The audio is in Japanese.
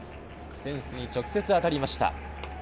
フェンスに直接当たりました。